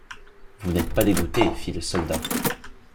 Vous n’êtes pas dégoûté, fit le soldat.